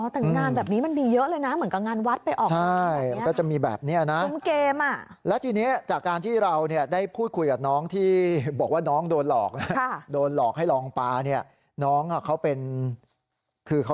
อ่อแต่งานแบบนี้มันมีเยอะเลยมันก็งานวัดไปออก